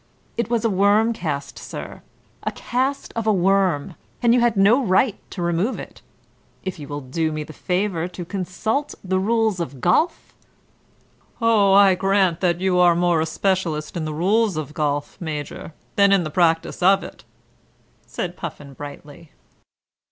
It was a worm cast, sir, a cast of a worm, and you had no right to remove it. If you will do me the favour to consult the rules of golf ?" "Oh, I grant you that you are more a specialist in the rules of golf, Major, than in the practice of it," said Puffin brightly.